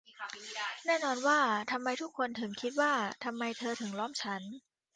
แน่นอนว่าทำไมทุกคนถึงคิดว่าทำไมเธอถึงล้อมเธอ